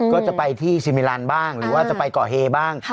ก็จะไปที่ซิมิลันบ้างหรือว่าจะไปก่อเหตุบ้าง